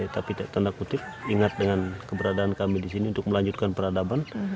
tapi tanda kutip ingat dengan keberadaan kami di sini untuk melanjutkan peradaban